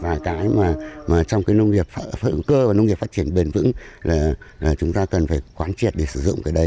vài cái mà trong cái nông nghiệp phân cơ và nông nghiệp phát triển bền vững là chúng ta cần phải quán triệt để sử dụng cái đấy